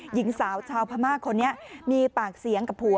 หญิงสาวชาวพม่าคนนี้มีปากเสียงกับผัว